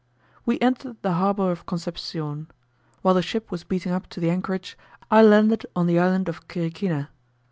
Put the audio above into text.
We entered the harbour of Concepcion. While the ship was beating up to the anchorage, I landed on the island of Quiriquina.